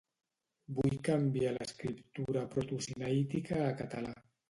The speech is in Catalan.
Vull canviar l'escriptura protosinaítica a català.